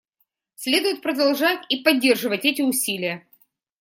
Следует продолжать и поддерживать эти усилия.